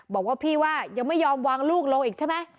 บอกว่าพี่ว่ายังไม่ยอมวางลูกลงอีกใช่ไหม